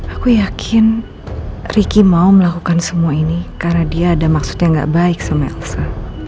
aku yakin ricky mau melakukan semua ini karena dia ada maksudnya gak baik sama elsa